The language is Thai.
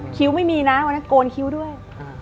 คิ้วไม่มีนะวันนั้นโกนคิ้วด้วย